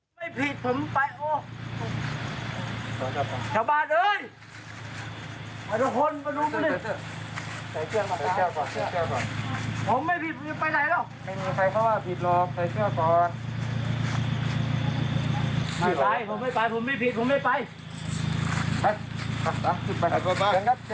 อ๋อผมไม่ผิดไหมทำไมนี่แหละนี่แหละ